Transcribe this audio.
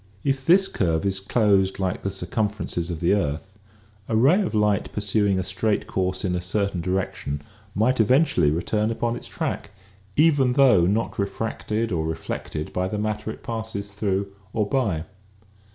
If this curve is closed like the circumferences of the earth a ray of light pursuing a straight course in a certain direction might eventually return upon its track, even though not refracted or reflected by the matter it passes through or by.